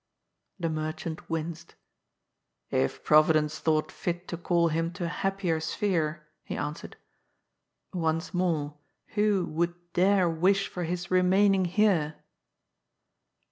The merchant winced. " If Proyidence thought fit to call him to a happier sphere," he answered, ^ once more, who would dare wish for his remaining here